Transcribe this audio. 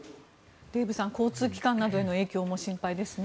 デーブさん交通機関などへの影響も心配ですね。